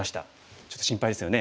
ちょっと心配ですよね。